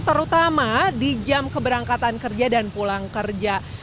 terutama di jam keberangkatan kerja dan pulang kerja